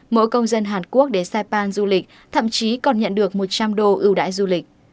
mỗi công dân hàn quốc đến sapan du lịch thậm chí còn nhận được một trăm linh đô ưu đãi du lịch